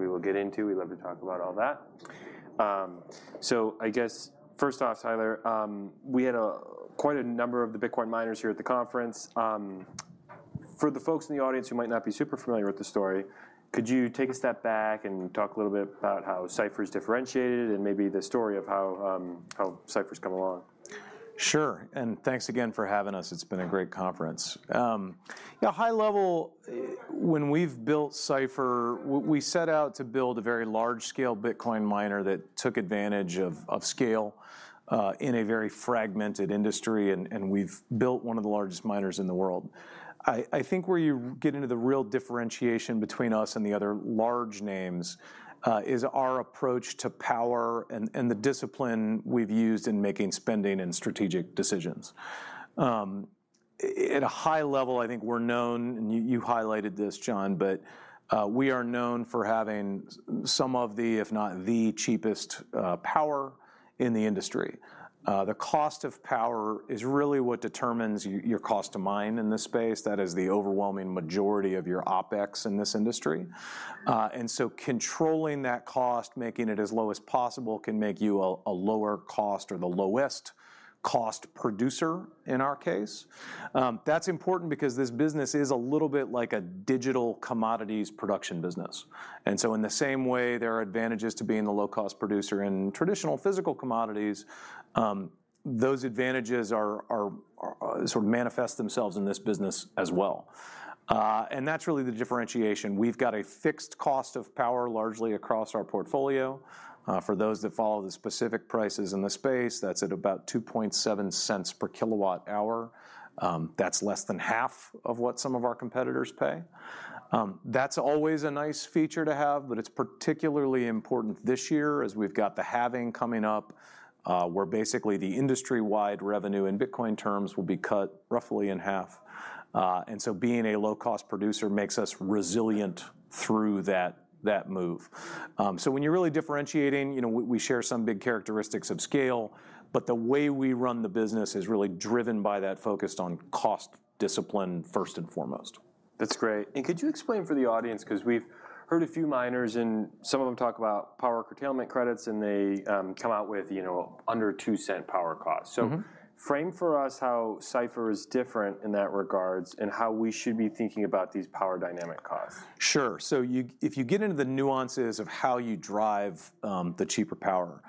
which we will get into. We love to talk about all that. So I guess first off, Tyler, we had quite a number of the Bitcoin miners here at the conference. For the folks in the audience who might not be super familiar with the story, could you take a step back and talk a little bit about how Cipher's differentiated and maybe the story of how Cipher's come along? Sure, and thanks again for having us. It's been a great conference. Yeah, high level, when we've built Cipher, we set out to build a very large-scale Bitcoin miner that took advantage of scale in a very fragmented industry, and we've built one of the largest miners in the world. I think where you get into the real differentiation between us and the other large names is our approach to power and the discipline we've used in making, spending, and strategic decisions. At a high level, I think we're known, and you highlighted this, John, but we are known for having some of the, if not the cheapest, power in the industry. The cost of power is really what determines your cost to mine in this space. That is the overwhelming majority of your OpEx in this industry. And so controlling that cost, making it as low as possible, can make you a lower cost or the lowest cost producer, in our case. That's important because this business is a little bit like a digital commodities production business, and so in the same way there are advantages to being the low-cost producer in traditional physical commodities, those advantages are sort of manifest themselves in this business as well. And that's really the differentiation. We've got a fixed cost of power, largely across our portfolio. For those that follow the specific prices in the space, that's at about $0.027 per kWh. That's less than half of what some of our competitors pay. That's always a nice feature to have, but it's particularly important this year, as we've got the halving coming up, where basically the industry-wide revenue in Bitcoin terms will be cut roughly in half. And so being a low-cost producer makes us resilient through that, that move. So when you're really differentiating, you know, we share some big characteristics of scale, but the way we run the business is really driven by that focus on cost discipline, first and foremost. That's great. And could you explain for the audience, 'cause we've heard a few miners and some of them talk about power curtailment credits, and they come out with, you know, under $0.02 power costs? Frame for us how Cipher is different in that regards, and how we should be thinking about these power dynamic costs. Sure. So if you get into the nuances of how you drive the cheaper power,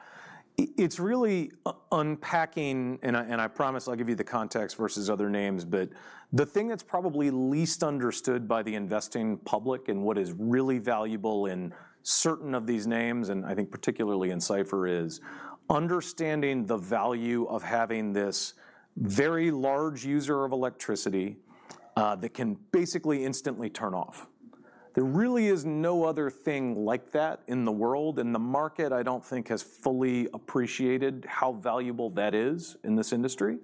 it's really unpacking, and I promise I'll give you the context versus other names, but the thing that's probably least understood by the investing public and what is really valuable in certain of these names, and I think particularly in Cipher, is understanding the value of having this very large user of electricity that can basically instantly turn off. There really is no other thing like that in the world, and the market, I don't think, has fully appreciated how valuable that is in this industry.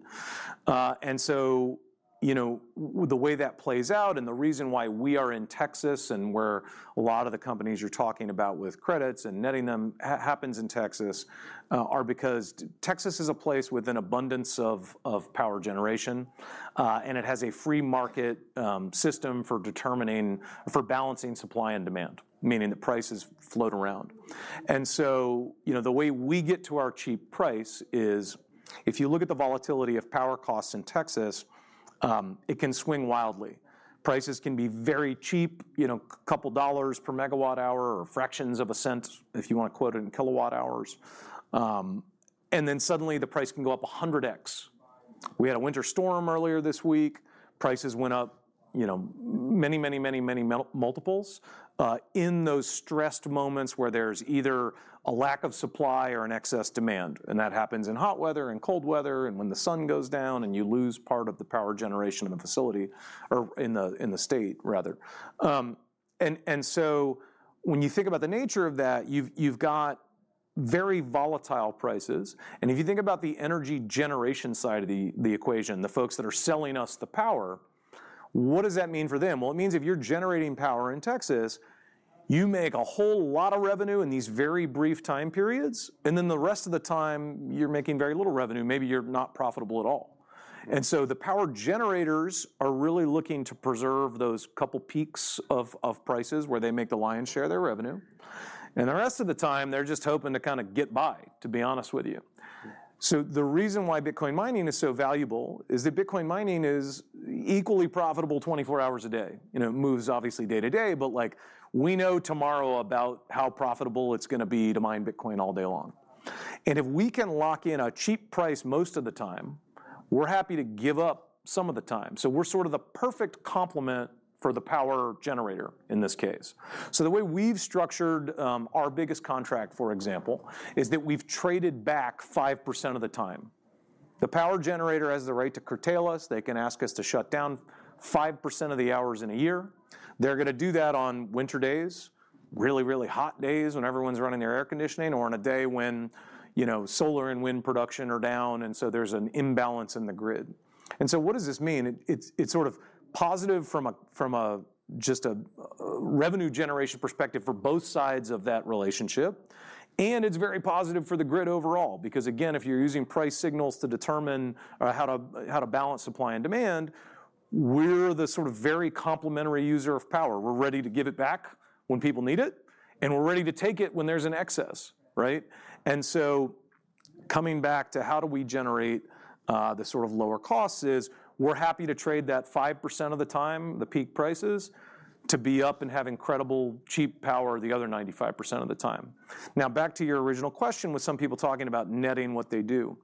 And so, you know, the way that plays out, and the reason why we are in Texas, and where a lot of the companies you're talking about with credits and netting them, happens in Texas, are because Texas is a place with an abundance of power generation. And it has a free market system for determining, for balancing supply and demand, meaning the prices float around. And so, you know, the way we get to our cheap price is, if you look at the volatility of power costs in Texas, it can swing wildly. Prices can be very cheap, you know, couple dollars per megawatt-hour or fractions of a cent, if you want to quote it in kWh. And then suddenly, the price can go up 100x. We had a winter storm earlier this week. Prices went up, you know, many, many, many multiples. In those stressed moments where there's either a lack of supply or an excess demand, and that happens in hot weather and cold weather, and when the sun goes down, and you lose part of the power generation in the facility or in the state, rather. And so when you think about the nature of that, you've got very volatile prices, and if you think about the energy generation side of the equation, the folks that are selling us the power, what does that mean for them? Well, it means if you're generating power in Texas, you make a whole lot of revenue in these very brief time periods, and then the rest of the time, you're making very little revenue, maybe you're not profitable at all. The power generators are really looking to preserve those couple peaks of prices where they make the lion's share of their revenue, and the rest of the time, they're just hoping to kinda get by, to be honest with you. The reason why Bitcoin mining is so valuable is that Bitcoin mining is equally profitable 24 hours a day. You know, it moves obviously day to day, but, like, we know tomorrow about how profitable it's gonna be to mine Bitcoin all day long. If we can lock in a cheap price most of the time, we're happy to give up some of the time. We're sort of the perfect complement for the power generator in this case. The way we've structured our biggest contract, for example, is that we've traded back 5% of the time. The power generator has the right to curtail us. They can ask us to shut down 5% of the hours in a year. They're gonna do that on winter days, really, really hot days when everyone's running their air conditioning, or on a day when, you know, solar and wind production are down, and so there's an imbalance in the grid. And so what does this mean? It's sort of positive from a revenue generation perspective for both sides of that relationship, and it's very positive for the grid overall. Because, again, if you're using price signals to determine how to balance supply and demand, we're the sort of very complementary user of power. We're ready to give it back when people need it, and we're ready to take it when there's an excess, right? Coming back to how do we generate the sort of lower costs is, we're happy to trade that 5% of the time, the peak prices, to be up and have incredible cheap power the other 95% of the time. Now, back to your original question, with some people talking about netting what they do.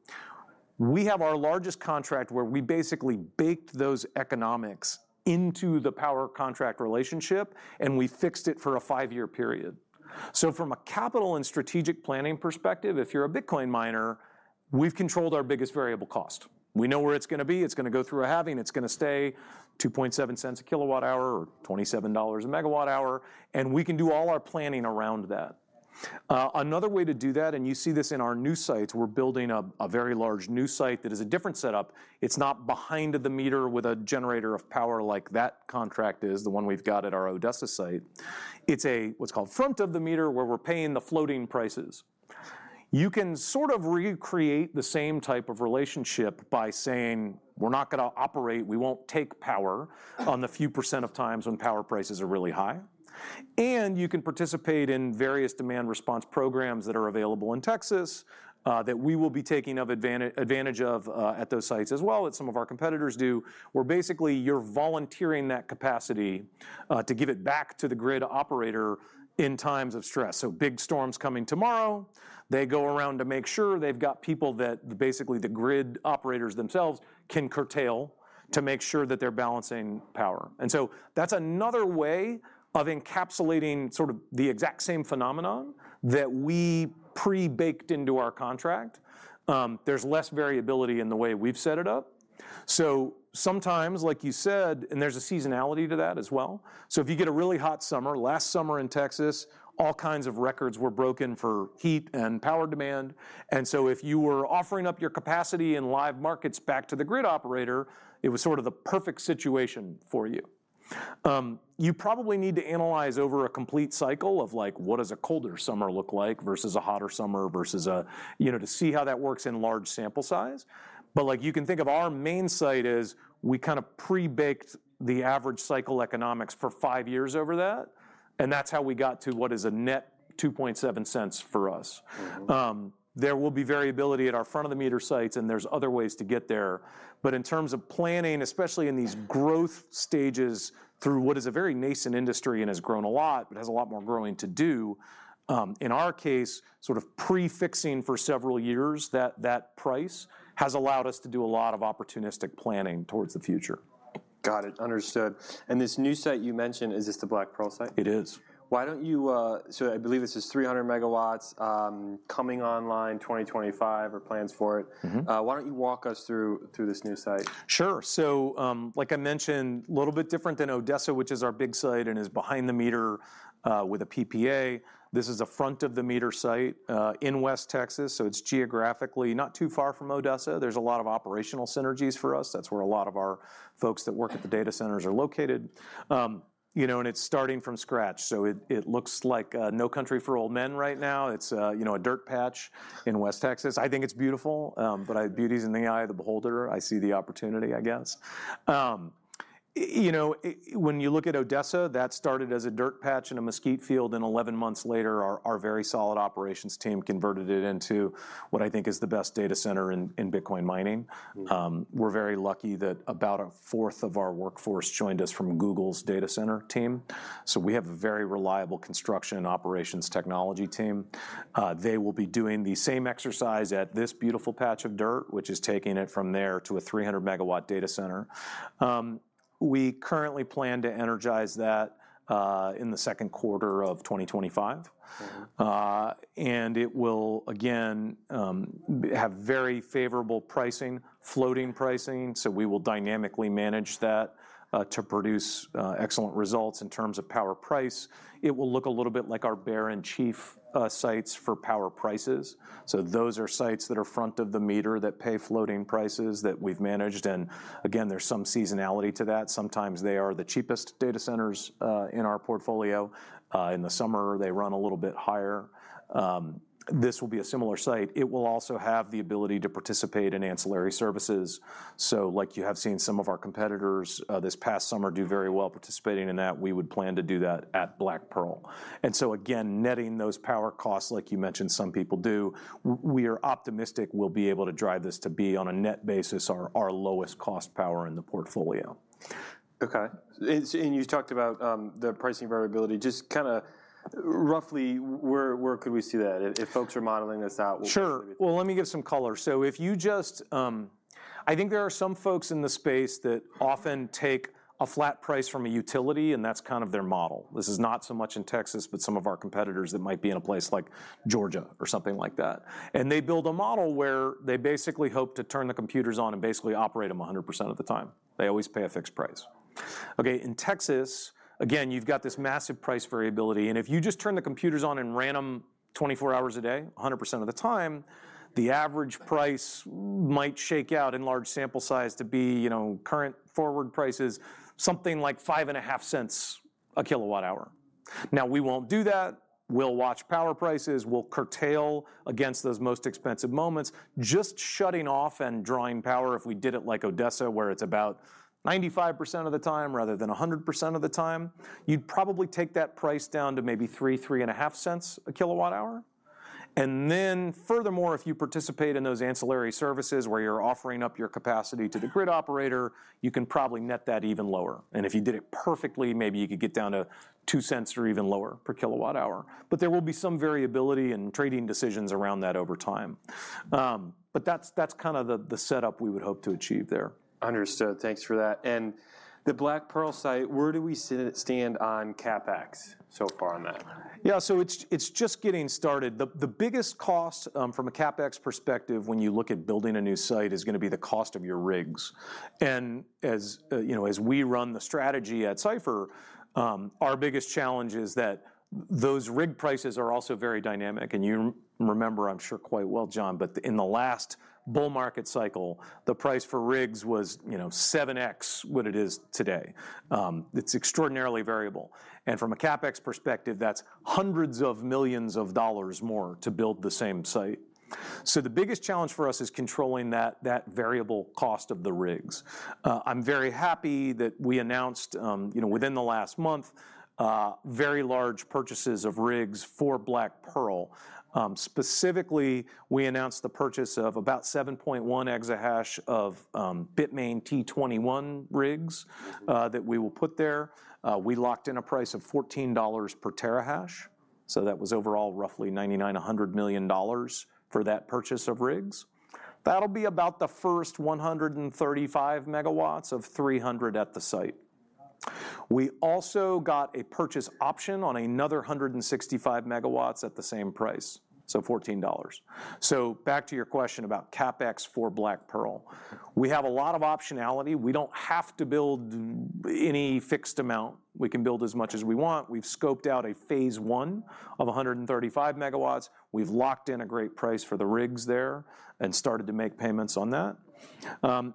We have our largest contract where we basically baked those economics into the power contract relationship, and we fixed it for a five-year period. So from a capital and strategic planning perspective, if you're a Bitcoin miner, we've controlled our biggest variable cost. We know where it's gonna be. It's gonna go through a halving. It's gonna stay $0.027/kWh or 27/MWh, and we can do all our planning around that. Another way to do that, and you see this in our new sites, we're building a very large new site that is a different setup. It's not behind-the-meter with a generator of power like that contract is, the one we've got at our Odessa site. It's what's called front-of-the-meter, where we're paying the floating prices. You can sort of recreate the same type of relationship by saying: We're not gonna operate. We won't take power on the few percent of times when power prices are really high. And you can participate in various demand response programs that are available in Texas, that we will be taking advantage of, at those sites as well, as some of our competitors do, where basically you're volunteering that capacity to give it back to the grid operator in times of stress. So big storm's coming tomorrow, they go around to make sure they've got people that basically the grid operators themselves can curtail to make sure that they're balancing power. And so that's another way of encapsulating sort of the exact same phenomenon that we pre-baked into our contract. There's less variability in the way we've set it up. So sometimes, like you said, and there's a seasonality to that as well, so if you get a really hot summer, last summer in Texas, all kinds of records were broken for heat and power demand. And so if you were offering up your capacity in live markets back to the grid operator, it was sort of the perfect situation for you. You probably need to analyze over a complete cycle of, like, what does a colder summer look like versus a hotter summer versus a, you know, to see how that works in large sample size. But, like, you can think of our main site as we kind of pre-baked the average cycle economics for five years over that, and that's how we got to what is a net $0.027 for us. There will be variability at our front-of-the-meter sites, and there's other ways to get there. But in terms of planning, especially in these growth stages through what is a very nascent industry and has grown a lot, but has a lot more growing to do, in our case, sort of prefixing for several years that that price has allowed us to do a lot of opportunistic planning towards the future. Got it. Understood. And this new site you mentioned, is this the Black Pearl site? It is. Why don't you... So I believe this is 300 megawatts, coming online 2025 or plans for it. Mm-hmm. Why don't you walk us through this new site? Sure. So, like I mentioned, a little bit different than Odessa, which is our big site and is behind-the-meter with a PPA. This is a front-of-the-meter site in West Texas, so it's geographically not too far from Odessa. There's a lot of operational synergies for us. That's where a lot of our folks that work at the data centers are located. You know, and it's starting from scratch, so it looks like No Country for Old Men right now. It's you know, a dirt patch in West Texas. I think it's beautiful, but beauty's in the eye of the beholder. I see the opportunity, I guess. You know, when you look at Odessa, that started as a dirt patch in a mesquite field, and 11 months later, our very solid operations team converted it into what I think is the best data center in Bitcoin mining. We're very lucky that about a fourth of our workforce joined us from Google's data center team, so we have a very reliable construction operations technology team. They will be doing the same exercise at this beautiful patch of dirt, which is taking it from there to a 300-megawatt data center. We currently plan to energize that in the second quarter of 2025. And it will again have very favorable pricing, floating pricing, so we will dynamically manage that to produce excellent results in terms of power price. It will look a little bit like our Bear and Chief sites for power prices. So those are sites that are front-of-the-meter that pay floating prices that we've managed, and again, there's some seasonality to that. Sometimes they are the cheapest data centers in our portfolio. In the summer, they run a little bit higher. This will be a similar site. It will also have the ability to participate in ancillary services. So like you have seen some of our competitors this past summer do very well participating in that, we would plan to do that at Black Pearl. And so again, netting those power costs, like you mentioned some people do, we are optimistic we'll be able to drive this to be, on a net basis, our lowest cost power in the portfolio. Okay. And you talked about the pricing variability. Just kinda roughly, where could we see that? If folks are modeling this out? Sure. Well, let me give some color. So if you just, I think there are some folks in the space that often take a flat price from a utility, and that's kind of their model. This is not so much in Texas, but some of our competitors that might be in a place like Georgia or something like that. And they build a model where they basically hope to turn the computers on and basically operate them 100% of the time. They always pay a fixed price. Okay, in Texas, again, you've got this massive price variability, and if you just turn the computers on and ran them 24 hours a day, 100% of the time, the average price might shake out in large sample size to be, you know, current forward prices, something like $0.055/kWh. Now, we won't do that. We'll watch power prices. We'll curtail against those most expensive moments. Just shutting off and drawing power, if we did it like Odessa, where it's about 95% of the time rather than 100% of the time, you'd probably take that price down to maybe $0.03-0.035/kWh. Then furthermore, if you participate in those ancillary services where you're offering up your capacity to the grid operator, you can probably net that even lower. And if you did it perfectly, maybe you could get down to $0.02 or even lower per kWh. But there will be some variability in trading decisions around that over time. But that's kind of the setup we would hope to achieve there. Understood. Thanks for that. And the Black Pearl site, where do we stand on CapEx so far on that? Yeah, so it's just getting started. The biggest cost from a CapEx perspective, when you look at building a new site, is gonna be the cost of your rigs. And as you know, as we run the strategy at Cipher, our biggest challenge is that those rig prices are also very dynamic. And you remember, I'm sure, quite well, John, but in the last bull market cycle, the price for rigs was, you know, 7x what it is today. It's extraordinarily variable. And from a CapEx perspective, that's $ hundreds of millions more to build the same site. So the biggest challenge for us is controlling that variable cost of the rigs. I'm very happy that we announced, you know, within the last month, very large purchases of rigs for Black Pearl. Specifically, we announced the purchase of about 7.1 exahash of Bitmain T21 rigs, that we will put there. We locked in a price of $14 per terahash, so that was overall roughly $99-100 million for that purchase of rigs. That'll be about the first 135 MW of 300 at the site. We also got a purchase option on another 165 MW at the same price, so $14. So back to your question about CapEx for Black Pearl. We have a lot of optionality. We don't have to build any fixed amount. We can build as much as we want. We've scoped out a phase one of 135 MW. We've locked in a great price for the rigs there and started to make payments on that.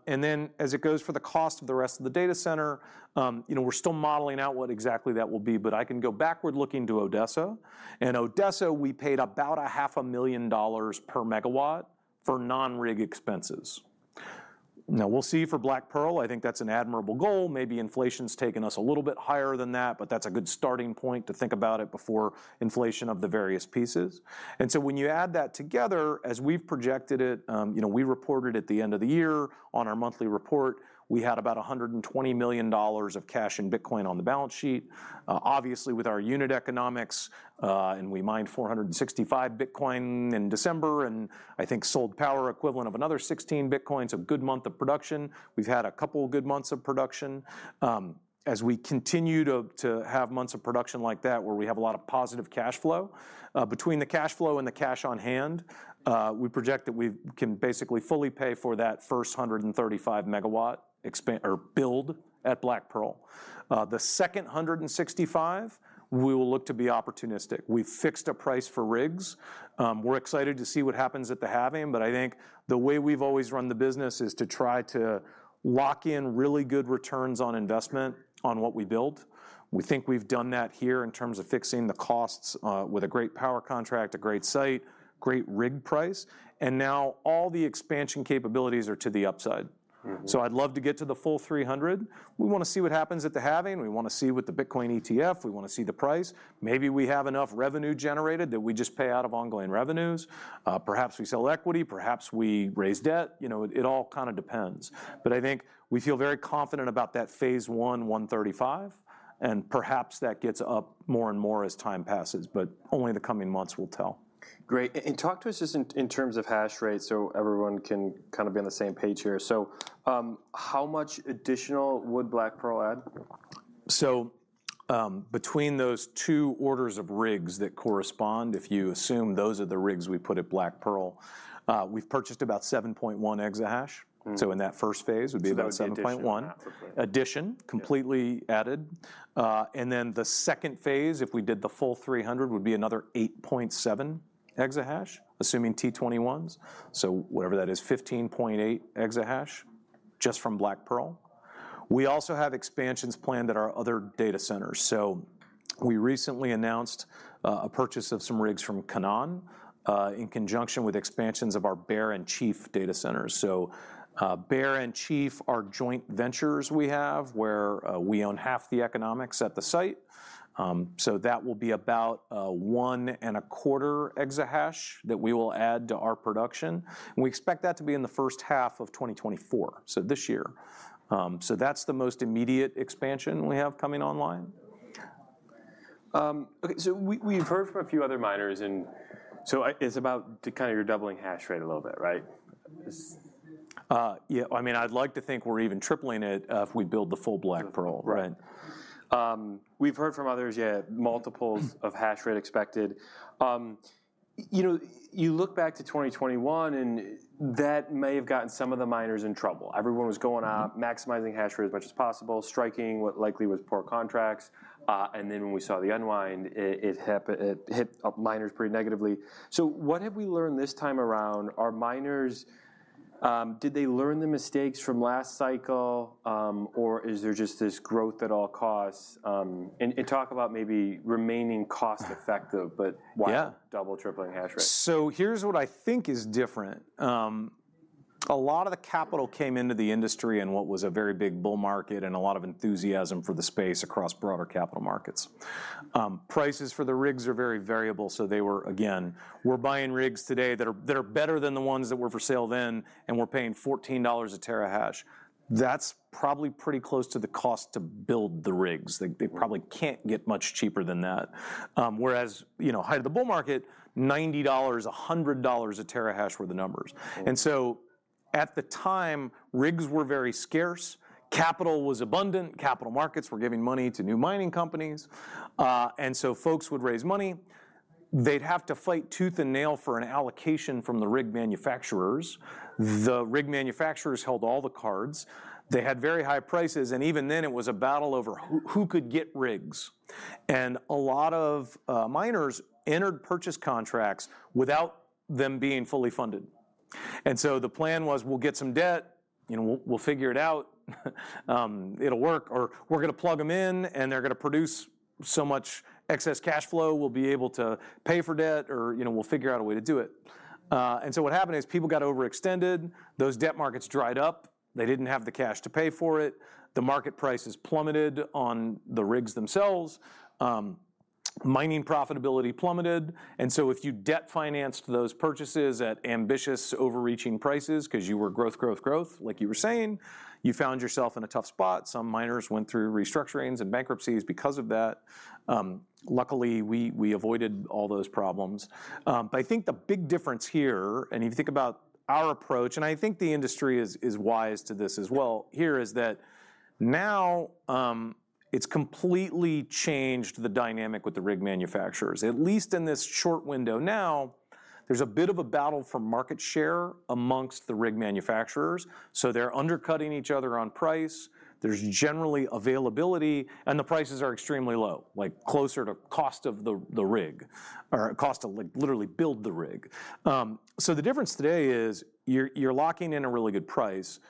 And then as it goes for the cost of the rest of the data center, you know, we're still modeling out what exactly that will be, but I can go backward looking to Odessa. In Odessa, we paid about $500,000 per megawatt for non-rig expenses. Now, we'll see for Black Pearl, I think that's an admirable goal. Maybe inflation's taken us a little bit higher than that, but that's a good starting point to think about it before inflation of the various pieces. And so when you add that together, as we've projected it, you know, we reported at the end of the year on our monthly report, we had about $120 million of cash in Bitcoin on the balance sheet. Obviously, with our unit economics, and we mined 465 Bitcoin in December, and I think sold power equivalent of another 16 Bitcoin, so a good month of production. We've had a couple of good months of production. As we continue to have months of production like that, where we have a lot of positive cash flow, between the cash flow and the cash on hand, we project that we can basically fully pay for that first 135 MW build at Black Pearl. The second 265, we will look to be opportunistic. We've fixed a price for rigs. We're excited to see what happens at the halving, but I think the way we've always run the business is to try to lock in really good returns on investment on what we build. We think we've done that here in terms of fixing the costs, with a great power contract, a great site, great rig price, and now all the expansion capabilities are to the upside. So I'd love to get to the full 300. We wanna see what happens at the halving. We wanna see what the Bitcoin ETF, we wanna see the price. Maybe we have enough revenue generated that we just pay out of ongoing revenues. Perhaps we sell equity, perhaps we raise debt. You know, it all kind of depends. But I think we feel very confident about that phase one, 135, and perhaps that gets up more and more as time passes, but only the coming months will tell. Great. And talk to us just in terms of Hash Rate, so everyone can kind of be on the same page here. So, how much additional would Black Pearl add? Between those two orders of rigs that correspond, if you assume those are the rigs we put at Black Pearl, we've purchased about 7.1 exahash in that first phase would be about 7.1. That's an addition at that point. Addition. Yeah. Completely added. And then the second phase, if we did the full 300, would be another 8.7 Exahash, assuming T21s. So whatever that is, 15.8 Exahash, just from Black Pearl. We also have expansions planned at our other data centers. So we recently announced a purchase of some rigs from Canaan in conjunction with expansions of our Bear and Chief data centers. So Bear and Chief are joint ventures we have, where we own half the economics at the site. So that will be about 1.25 Exahash that we will add to our production. We expect that to be in the first half of 2024, so this year. So that's the most immediate expansion we have coming online. Okay, so we've heard from a few other miners, and so it's about to kind of you're doubling Hash Rate a little bit, right? Yeah. I mean, I'd like to think we're even tripling it, if we build the full Black Pearl, right? Right. We've heard from others, yeah, multiples of Hash Rate expected. You know, you look back to 2021, and that may have gotten some of the miners in trouble. Everyone was going out, maximizing Hash Rate as much as possible, striking what likely was poor contracts, and then when we saw the unwind, it hit miners pretty negatively. So what have we learned this time around? Did they learn the mistakes from last cycle, or is there just this growth at all costs? And talk about maybe remaining cost-effective- Yeah. But why double, tripling Hash Rate? So here's what I think is different. A lot of the capital came into the industry in what was a very big bull market, and a lot of enthusiasm for the space across broader capital markets. Prices for the rigs are very variable, so they were, again, we're buying rigs today that are better than the ones that were for sale then, and we're paying $14 a terahash. That's probably pretty close to the cost to build the rigs. They probably can't get much cheaper than that. Whereas, you know, height of the bull market, $90, 100 a terahash were the numbers. At the time, rigs were very scarce, capital was abundant, capital markets were giving money to new mining companies. Folks would raise money. They'd have to fight tooth and nail for an allocation from the rig manufacturers. The rig manufacturers held all the cards. They had very high prices, and even then, it was a battle over who could get rigs. A lot of miners entered purchase contracts without them being fully funded. The plan was, we'll get some debt, you know, we'll figure it out, it'll work, or we're gonna plug them in, and they're gonna produce so much excess cash flow, we'll be able to pay for debt or, you know, we'll figure out a way to do it. What happened is people got overextended, those debt markets dried up. They didn't have the cash to pay for it. The market prices plummeted on the rigs themselves. Mining profitability plummeted, and so if you debt financed those purchases at ambitious, overreaching prices because you were growth, growth, growth, like you were saying, you found yourself in a tough spot. Some miners went through restructurings and bankruptcies because of that. Luckily, we avoided all those problems. But I think the big difference here, and if you think about our approach, and I think the industry is wise to this as well, here is that now, it's completely changed the dynamic with the rig manufacturers. At least in this short window now, there's a bit of a battle for market share among the rig manufacturers, so they're undercutting each other on price. There's generally availability, and the prices are extremely low, like, closer to cost of the, the rig, or cost to, like, literally build the rig. So the difference today is you're, you're locking in a really good price.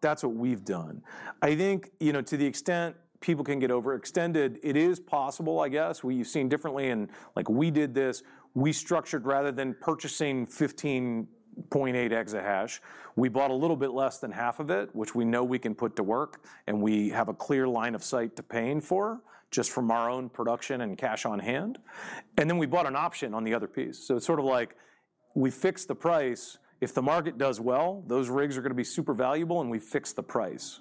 That's what we've done. I think, you know, to the extent people can get overextended, it is possible, I guess. We've seen differently and... like, we did this. We structured, rather than purchasing 15.8 exahash, we bought a little bit less than half of it, which we know we can put to work, and we have a clear line of sight to paying for, just from our own production and cash on hand. And then we bought an option on the other piece. So it's sort of like we fixed the price. If the market does well, those rigs are gonna be super valuable, and we've fixed the price.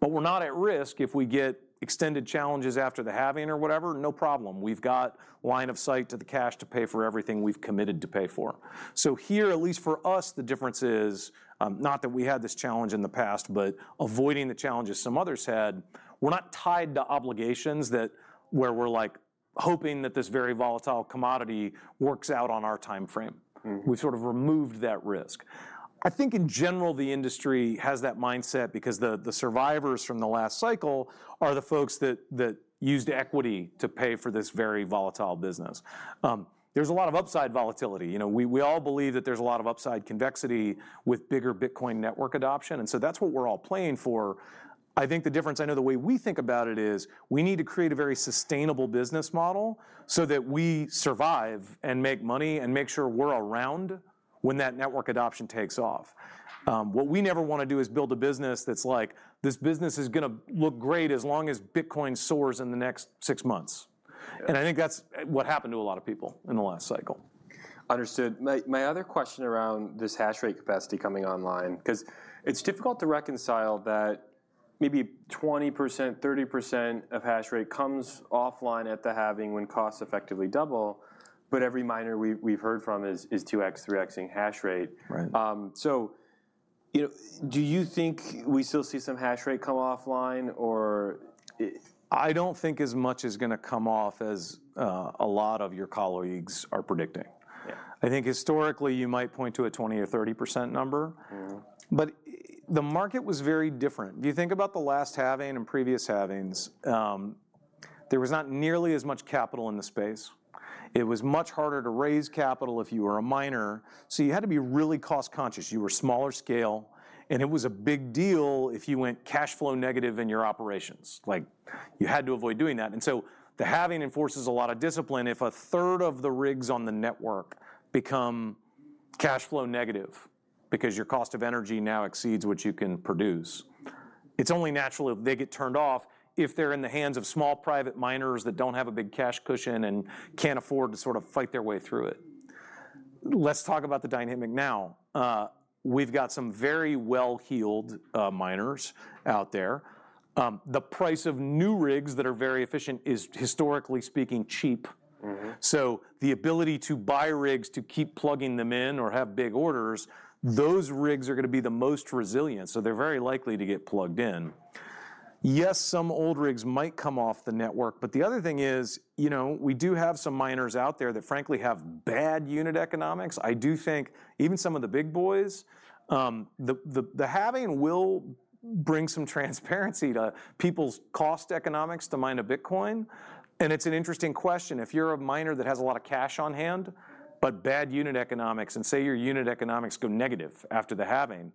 But we're not at risk if we get extended challenges after the halving or whatever, no problem. We've got line of sight to the cash to pay for everything we've committed to pay for. So here, at least for us, the difference is, not that we had this challenge in the past, but avoiding the challenges some others had. We're not tied to obligations that where we're, like, hoping that this very volatile commodity works out on our timeframe. We sort of removed that risk. I think in general, the industry has that mindset because the survivors from the last cycle are the folks that used equity to pay for this very volatile business. There's a lot of upside volatility. You know, we all believe that there's a lot of upside convexity with bigger Bitcoin network adoption, and so that's what we're all playing for. I think the difference, I know the way we think about it is, we need to create a very sustainable business model so that we survive and make money and make sure we're around when that network adoption takes off. What we never want to do is build a business that's like, "This business is gonna look great as long as Bitcoin soars in the next six months. Yeah. I think that's what happened to a lot of people in the last cycle. Understood. My other question around this Hash Rate capacity coming online, because it's difficult to reconcile that maybe 20%, 30% of Hash Rate comes offline at the halving when costs effectively double, but every miner we've heard from is 2x, 3x-ing Hash Rate. Right. So, you know, do you think we still see some Hash Rate come offline or i- I don't think as much is gonna come off as a lot of your colleagues are predicting. Yeah. I think historically, you might point to a 20% or 30% number. But the market was very different. If you think about the last halving and previous halvings, there was not nearly as much capital in the space. It was much harder to raise capital if you were a miner, so you had to be really cost-conscious. You were smaller scale, and it was a big deal if you went cash flow negative in your operations, like, you had to avoid doing that. And so the halving enforces a lot of discipline. If a third of the rigs on the network become cash flow negative because your cost of energy now exceeds what you can produce, it's only natural if they get turned off, if they're in the hands of small, private miners that don't have a big cash cushion and can't afford to sort of fight their way through it. Let's talk about the dynamic now. We've got some very well-heeled, miners out there. The price of new rigs that are very efficient is, historically speaking, cheap. So the ability to buy rigs, to keep plugging them in or have big orders, those rigs are gonna be the most resilient, so they're very likely to get plugged in. Yes, some old rigs might come off the network, but the other thing is, you know, we do have some miners out there that, frankly, have bad unit economics. I do think even some of the big boys, the halving will bring some transparency to people's cost economics to mine a Bitcoin, and it's an interesting question. If you're a miner that has a lot of cash on hand but bad unit economics, and say your unit economics go negative after the halving.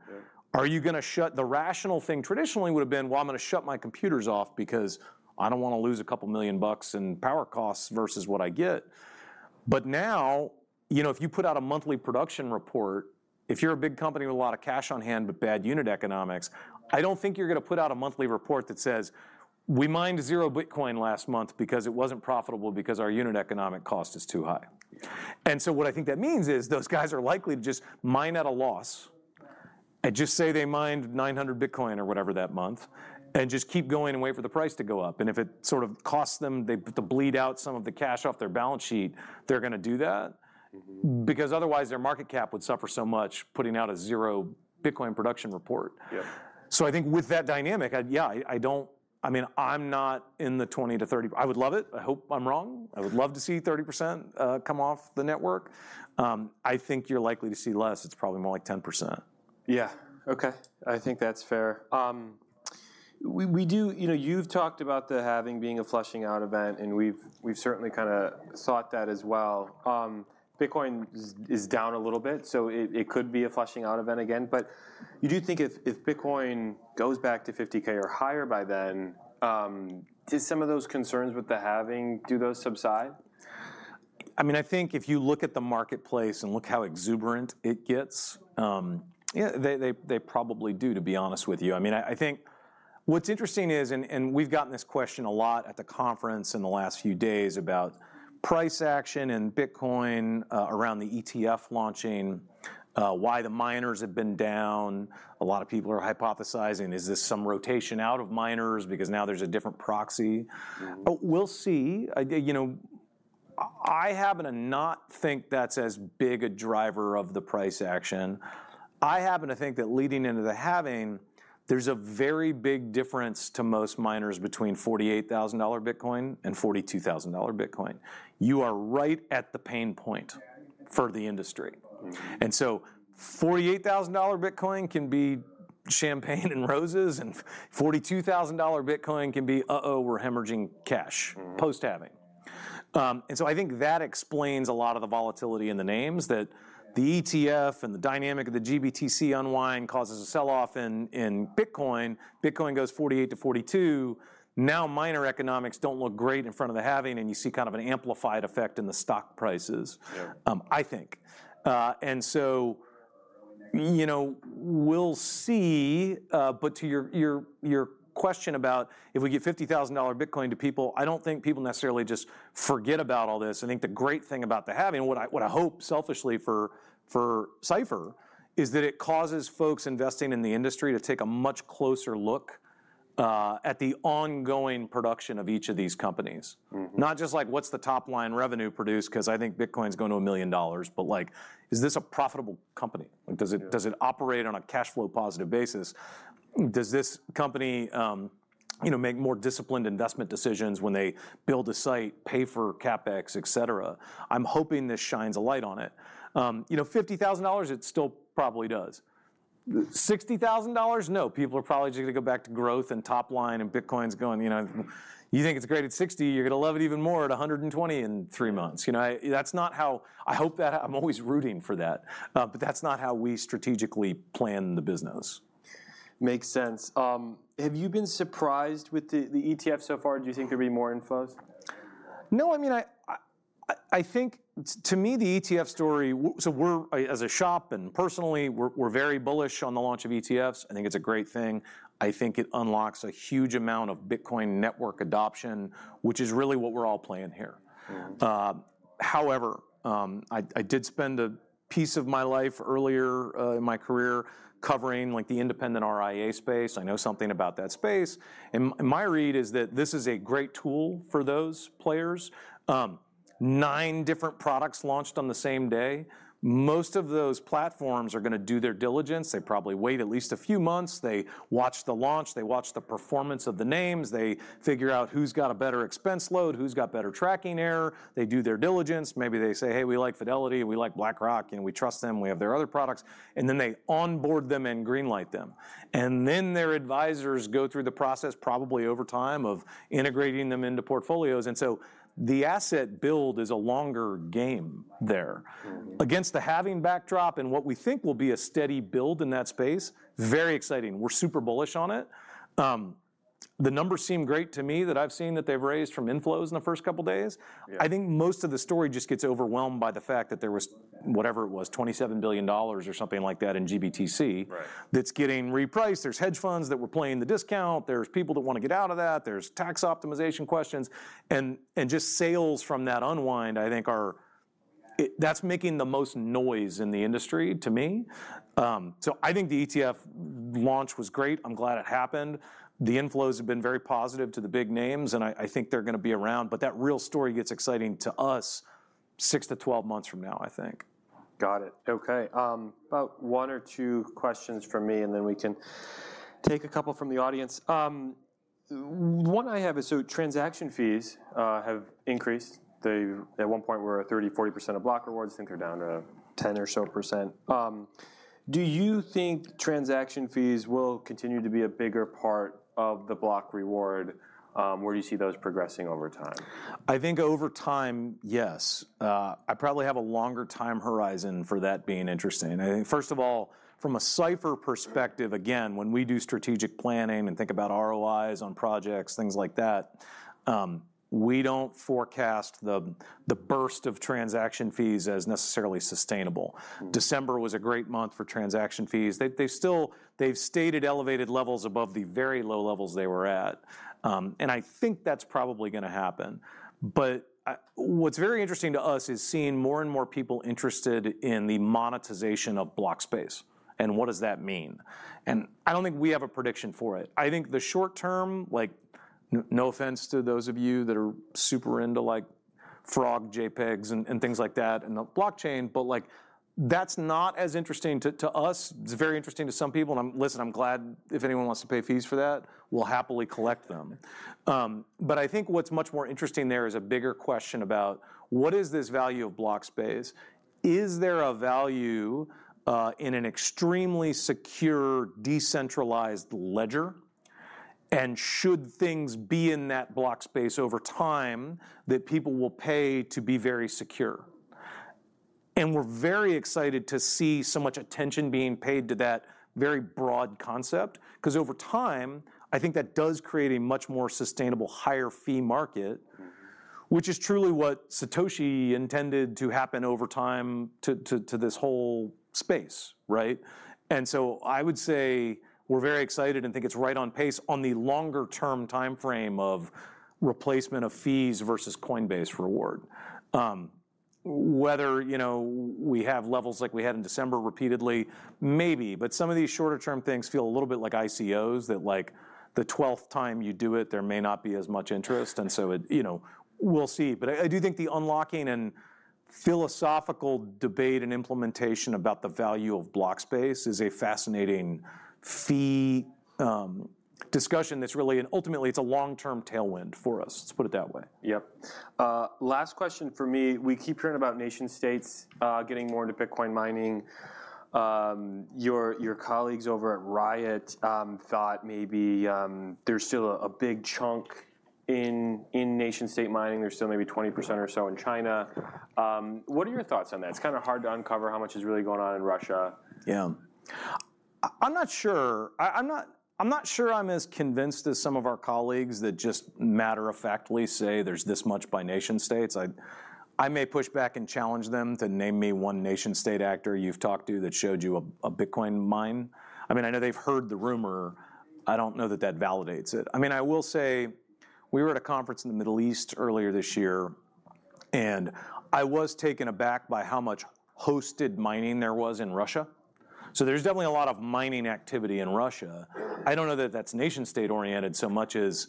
Yeah. The rational thing traditionally would have been, "Well, I'm going to shut my computers off because I don't want to lose $2 million in power costs versus what I get." But now, you know, if you put out a monthly production report, if you're a big company with a lot of cash on hand but bad unit economics, I don't think you're going to put out a monthly report that says, "We mined zero Bitcoin last month because it wasn't profitable, because our unit economic cost is too high. Yeah. So what I think that means is, those guys are likely to just mine at a loss, and just say they mined 900 Bitcoin or whatever that month, and just keep going and wait for the price to go up. And if it sort of costs them to bleed out some of the cash off their balance sheet, they're going to do that. Because otherwise, their market cap would suffer so much, putting out a zero Bitcoin production report. Yeah. So I think with that dynamic, yeah, I mean, I'm not in the 20-30... I would love it. I hope I'm wrong. I would love to see 30% come off the network. I think you're likely to see less. It's probably more like 10%. Yeah. Okay, I think that's fair. We do. You know, you've talked about the halving being a flushing out event, and we've certainly kinda sought that as well. Bitcoin is down a little bit, so it could be a flushing out event again. But you do think if Bitcoin goes back to $50k or higher by then, do some of those concerns with the halving, do those subside? I mean, I think if you look at the marketplace and look how exuberant it gets, they probably do, to be honest with you. I mean, I think what's interesting is, and we've gotten this question a lot at the conference in the last few days, about price action and Bitcoin, around the ETF launching, why the miners have been down. A lot of people are hypothesizing, is this some rotation out of miners because now there's a different proxy? But we'll see. You know, I happen to not think that's as big a driver of the price action. I happen to think that leading into the halving, there's a very big difference to most miners between $48,000 Bitcoin and $42,000 Bitcoin. You are right at the pain point for the industry. And so $48,000 Bitcoin can be champagne and roses, and $42,000 Bitcoin can be, "We're hemorrhaging cash post-halving. And so I think that explains a lot of the volatility in the names, that the ETF and the dynamic of the GBTC unwind causes a sell-off in Bitcoin. Bitcoin goes $48,000-42,000. Now, miner economics don't look great in front of the halving, and you see kind of an amplified effect in the stock prices. Yeah. I think. And so, you know, we'll see. But to your question about if we get $50,000 Bitcoin to people, I don't think people necessarily just forget about all this. I think the great thing about the halving, what I hope selfishly for Cipher, is that it causes folks investing in the industry to take a much closer look at the ongoing production of each of these companies. Not just like, what's the top-line revenue produced? 'Cause I think Bitcoin's going to $1 million, but, like, is this a profitable company? Yeah. Does it, does it operate on a cash flow positive basis? Does this company, you know, make more disciplined investment decisions when they build a site, pay for CapEx, et cetera? I'm hoping this shines a light on it. You know, $50,000, it still probably does. $60,000? No. People are probably just gonna go back to growth and top line, and Bitcoin's going, you know—you think it's great at 60, you're gonna love it even more at 120 in three months. You know, I— That's not how... I hope that, I'm always rooting for that, but that's not how we strategically plan the business. Makes sense. Have you been surprised with the ETF so far? Do you think there'll be more inflows? No, I mean, I think, to me, the ETF story, so we're, as a shop and personally, we're very bullish on the launch of ETFs. I think it's a great thing. I think it unlocks a huge amount of Bitcoin network adoption, which is really what we're all playing here. Yeah. However, I did spend a piece of my life earlier in my career covering, like, the independent RIA space. I know something about that space, and my read is that this is a great tool for those players. Nine different products launched on the same day, most of those platforms are gonna do their diligence. They probably wait at least a few months. They watch the launch. They watch the performance of the names. They figure out who's got a better expense load, who's got better tracking error. They do their diligence. Maybe they say: "Hey, we like Fidelity, we like BlackRock, and we trust them, we have their other products." And then they onboard them and greenlight them, and then their advisors go through the process, probably over time, of integrating them into portfolios. And so the asset build is a longer game there. Against the Halving backdrop and what we think will be a steady build in that space, very exciting. We're super bullish on it. The numbers seem great to me, that I've seen, that they've raised from inflows in the first couple days. Yeah. I think most of the story just gets overwhelmed by the fact that there was, whatever it was, $27 billion or something like that in GBTC- Right That's getting repriced. There's hedge funds that were playing the discount. There's people that want to get out of that. There's tax optimization questions, and just sales from that unwind, I think are-- that's making the most noise in the industry, to me. So I think the ETF launch was great. I'm glad it happened. The inflows have been very positive to the big names, and I think they're gonna be around, but that real story gets exciting to us 6-12 months from now, I think. Got it. Okay, about 1 or 2 questions from me, and then we can take a couple from the audience. One I have is, so transaction fees have increased. They at one point were at 30-40% of block rewards. I think they're down to 10% or so. Do you think transaction fees will continue to be a bigger part of the block reward? Where do you see those progressing over time? I think over time, yes. I probably have a longer time horizon for that being interesting. I think first of all, from a Cipher perspective, again, when we do strategic planning and think about ROIs on projects, things like that, we don't forecast the burst of transaction fees as necessarily sustainable. December was a great month for transaction fees. They still—they've stayed at elevated levels above the very low levels they were at. And I think that's probably gonna happen. But what's very interesting to us is seeing more and more people interested in the monetization of block space, and what does that mean? And I don't think we have a prediction for it. I think the short term, like, no offense to those of you that are super into, like, frog JPEGs and things like that in the blockchain, but, like, that's not as interesting to us. It's very interesting to some people, and I'm—listen, I'm glad if anyone wants to pay fees for that, we'll happily collect them. But I think what's much more interesting there is a bigger question about: What is this value of block space? Is there a value in an extremely secure, decentralized ledger? And should things be in that block space over time that people will pay to be very secure? And we're very excited to see so much attention being paid to that very broad concept, 'cause over time, I think that does create a much more sustainable, higher-fee market which is truly what Satoshi intended to happen over time to this whole space, right? And so I would say we're very excited and think it's right on pace on the longer-term timeframe of replacement of fees versus coinbase reward. Whether, you know, we have levels like we had in December repeatedly, maybe, but some of these shorter-term things feel a little bit like ICOs, that like the twelfth time you do it, there may not be as much interest. And so it... You know, we'll see. But I do think the unlocking and philosophical debate and implementation about the value of block space is a fascinating fee discussion that's really and ultimately, it's a long-term tailwind for us. Let's put it that way. Yep. Last question from me. We keep hearing about nation-states getting more into Bitcoin mining. Your colleagues over at Riot thought maybe there's still a big chunk in nation-state mining. There's still maybe 20% or so in China. What are your thoughts on that? It's kind of hard to uncover how much is really going on in Russia. Yeah. I'm not sure. I'm not sure I'm as convinced as some of our colleagues that just matter-of-factly say there's this much by nation-states. I may push back and challenge them to name me one nation-state actor you've talked to that showed you a Bitcoin mine. I mean, I know they've heard the rumor. I don't know that that validates it. I mean, I will say we were at a conference in the Middle East earlier this year, and I was taken aback by how much hosted mining there was in Russia. So there's definitely a lot of mining activity in Russia. I don't know that that's nation-state-oriented so much as,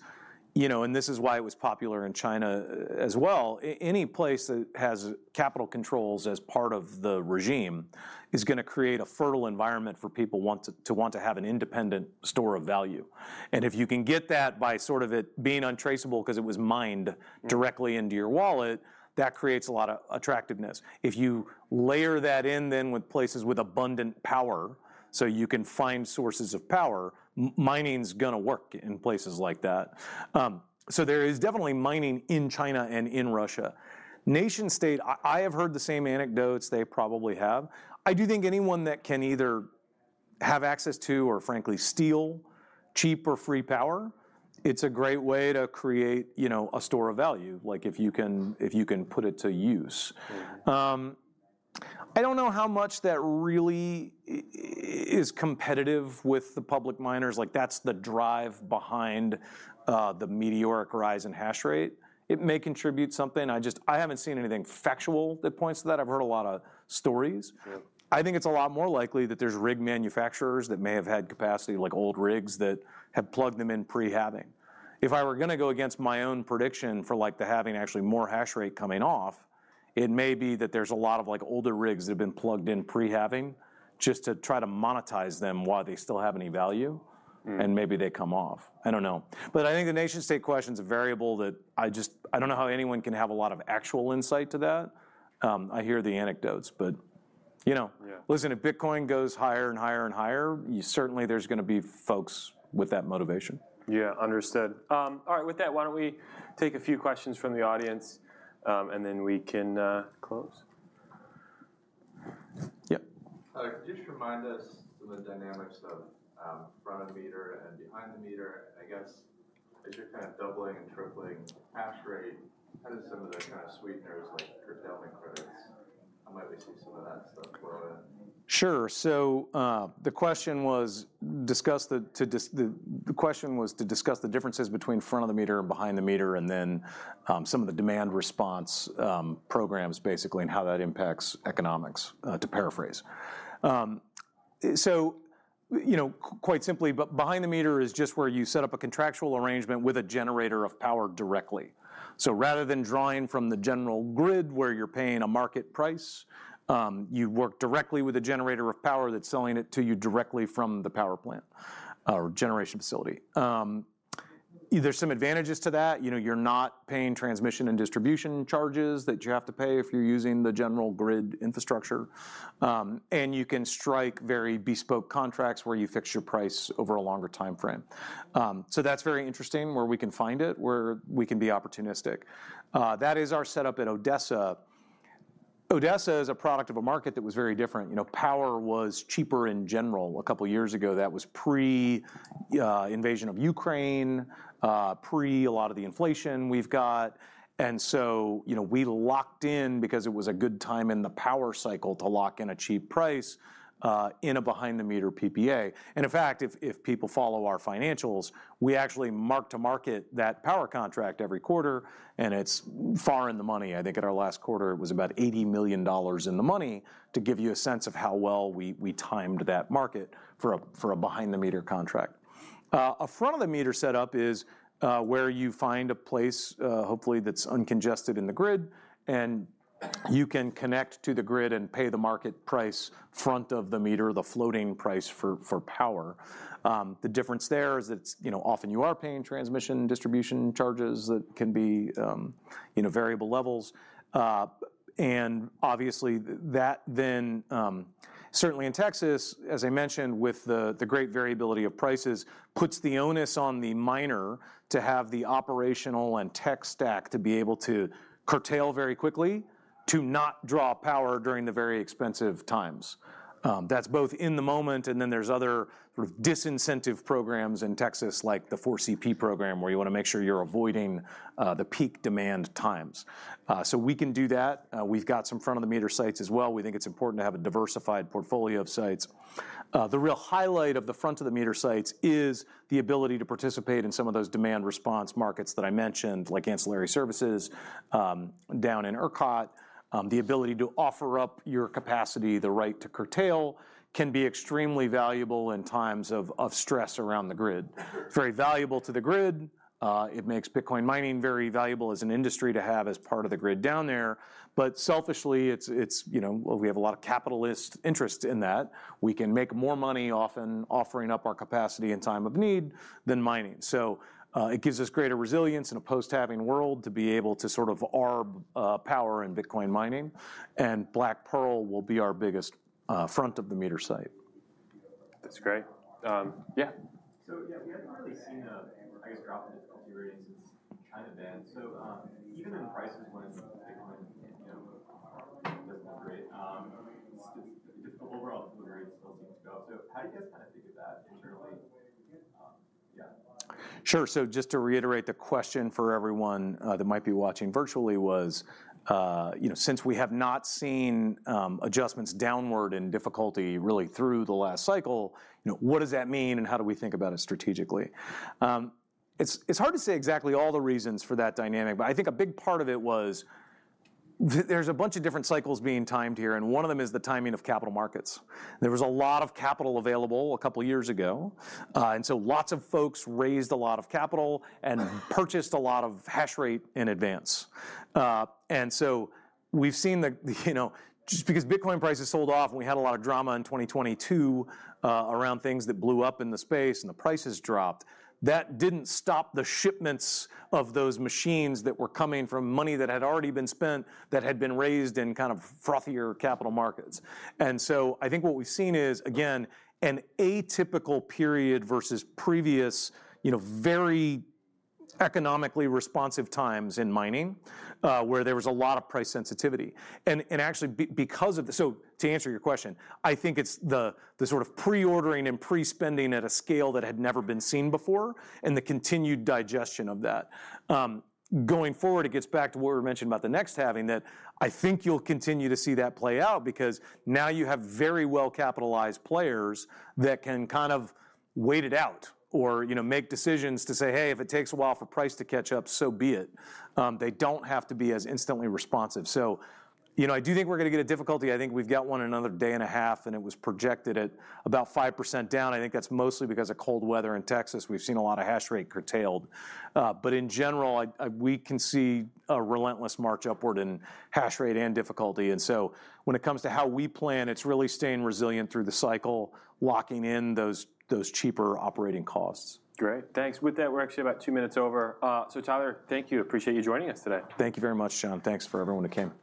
you know, and this is why it was popular in China as well. Any place that has capital controls as part of the regime is gonna create a fertile environment for people want to have an independent store of value. And if you can get that by sort of it being untraceable 'cause it was mined directly into your wallet, that creates a lot of attractiveness. If you layer that in, then, with places with abundant power, so you can find sources of power, mining's gonna work in places like that. So there is definitely mining in China and in Russia. Nation state, I, I have heard the same anecdotes they probably have. I do think anyone that can either have access to or frankly steal cheap or free power, it's a great way to create, you know, a store of value, like, if you can, if you can put it to use. I don't know how much that really is competitive with the public miners, like, that's the drive behind, the meteoric rise in Hash Rate. It may contribute something. I just, I haven't seen anything factual that points to that. I've heard a lot of stories. Yeah. I think it's a lot more likely that there's rig manufacturers that may have had capacity, like old rigs, that have plugged them in pre-halving. If I were gonna go against my own prediction for, like, the halving, actually more Hash Rate coming off, it may be that there's a lot of, like, older rigs that have been plugged in pre-halving just to try to monetize them while they still have any value and maybe they come off. I don't know. But I think the nation-state question's a variable that I just, I don't know how anyone can have a lot of actual insight to that. I hear the anecdotes, but, you know- Yeah Listen, if Bitcoin goes higher and higher and higher, you, certainly there's gonna be folks with that motivation. Yeah, understood. All right, with that, why don't we take a few questions from the audience, and then we can close? Yep. Could you just remind us of the dynamics of front-of-the-meter and behind-the-meter? I guess, as you're kind of doubling and tripling Hash Rate, how do some of the kind of sweeteners, like curtailment credits, how might we see some of that stuff roll in? Sure. So, the question was to discuss the differences between front-of-the-meter and behind-the-meter, and then, some of the demand response programs, basically, and how that impacts economics, to paraphrase. So, you know, quite simply, but behind-the-meter is just where you set up a contractual arrangement with a generator of power directly. So rather than drawing from the general grid, where you're paying a market price, you work directly with a generator of power that's selling it to you directly from the power plant or generation facility. There's some advantages to that. You know, you're not paying transmission and distribution charges that you have to pay if you're using the general grid infrastructure. And you can strike very bespoke contracts where you fix your price over a longer timeframe. So that's very interesting, where we can find it, where we can be opportunistic. That is our setup at Odessa. Odessa is a product of a market that was very different. You know, power was cheaper in general a couple of years ago. That was pre invasion of Ukraine, pre a lot of the inflation we've got. And so, you know, we locked in because it was a good time in the power cycle to lock in a cheap price, in a behind-the-meter PPA. And in fact, if people follow our financials, we actually mark to market that power contract every quarter, and it's far in the money. I think in our last quarter, it was about $80 million in the money, to give you a sense of how well we timed that market for a behind-the-meter contract. A front-of-the-meter setup is where you find a place, hopefully, that's uncongested in the grid, and you can connect to the grid and pay the market price front-of-the-meter, the floating price for power. The difference there is it's, you know, often you are paying transmission and distribution charges that can be, you know, variable levels. And obviously, that then, certainly in Texas, as I mentioned, with the great variability of prices, puts the onus on the miner to have the operational and tech stack to be able to curtail very quickly, to not draw power during the very expensive times. That's both in the moment, and then there's other disincentive programs in Texas, like the 4CP program, where you wanna make sure you're avoiding the peak demand times. So we can do that. We've got some front-of-the-meter sites as well. We think it's important to have a diversified portfolio of sites. The real highlight of the front-of-the-meter sites is the ability to participate in some of those demand response markets that I mentioned, like ancillary services, down in ERCOT. The ability to offer up your capacity, the right to curtail, can be extremely valuable in times of stress around the grid. It's very valuable to the grid. It makes Bitcoin mining very valuable as an industry to have as part of the grid down there. But selfishly, you know, we have a lot of capitalist interest in that. We can make more money, often offering up our capacity in time of need than mining. It gives us greater resilience in a post-halving world to be able to sort of arb power in Bitcoin mining, and Black Pearl will be our biggest front-of-the-meter site. That's great. Yeah? So, yeah, we haven't really seen a, I guess, drop in difficulty rates since China banned. So, even when prices went, Bitcoin, you know, doesn't look great, the overall delivery still seems to go up. So how do you guys kinda think of that internally? Yeah. Sure. So just to reiterate the question for everyone that might be watching virtually was, you know, since we have not seen adjustments downward in Difficulty really through the last cycle, you know, what does that mean, and how do we think about it strategically? It's hard to say exactly all the reasons for that dynamic, but I think a big part of it was there's a bunch of different cycles being timed here, and one of them is the timing of capital markets. There was a lot of capital available a couple of years ago, and so lots of folks raised a lot of capital and purchased a lot of Hash Rate in advance. And so we've seen, you know, just because Bitcoin prices sold off, and we had a lot of drama in 2022, around things that blew up in the space and the prices dropped, that didn't stop the shipments of those machines that were coming from money that had already been spent, that had been raised in kind of frothier capital markets. And so I think what we've seen is, again, an atypical period versus previous, you know, very economically responsive times in mining, where there was a lot of price sensitivity. And actually because of the. So to answer your question, I think it's the sort of pre-ordering and pre-spending at a scale that had never been seen before and the continued digestion of that. Going forward, it gets back to what we mentioned about the next halving, that I think you'll continue to see that play out because now you have very well-capitalized players that can kind of wait it out or, you know, make decisions to say, "Hey, if it takes a while for price to catch up, so be it." They don't have to be as instantly responsive. So, you know, I do think we're gonna get a difficulty. I think we've got one another day and a half, and it was projected at about 5% down. I think that's mostly because of cold weather in Texas. We've seen a lot of Hash Rate curtailed. But in general, I—we can see a relentless march upward in Hash Rate and difficulty. When it comes to how we plan, it's really staying resilient through the cycle, locking in those, those cheaper operating costs. Great. Thanks. With that, we're actually about 2 minutes over. So Tyler, thank you. Appreciate you joining us today. Thank you very much, John. Thanks for everyone who came.